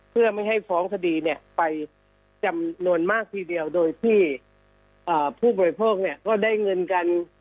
เพื่อไม่ให้ฟ้องคดีเนี่ยไปจำนวนมากทีเดียวโดยที่ผู้บริโภคเนี่ยก็ได้เงินกัน